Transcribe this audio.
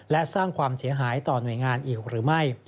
และสร้างความเสียหายต่อหน่วยงานอีกหรือไม่